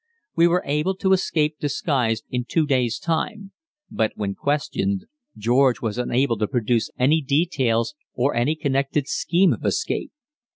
We were to escape disguised in two days' time; but, when questioned, George was unable to produce any details or any connected scheme of escape.